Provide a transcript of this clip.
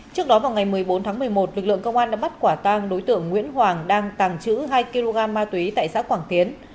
trước đó vào ngày một mươi bốn tháng một mươi một lực lượng công an đã bắt quả tang đối tượng nguyễn hoàng đang tàng trữ hai kg ma túy tại xã quảng tiến